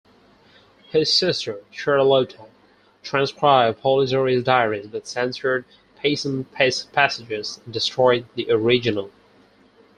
His sister Charlotte transcribed Polidori's diaries, but censored "peccant passages" and destroyed the original.